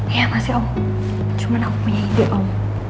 ya masih om cuma aku punya ide om